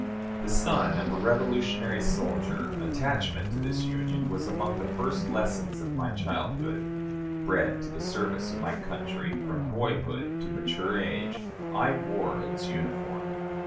The son of a Revolutionary soldier, attachment to this Union was among the first lessons of my childhood; bred to the service of my country, from boyhood to mature age, I wore its uniform.